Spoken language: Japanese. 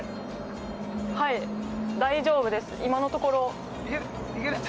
大丈夫です、今のところ。